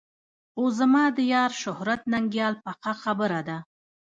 خو زما د یار شهرت ننګیال پخه خبره ده.